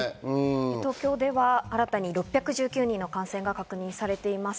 東京では新たに６１９人の感染が確認されています。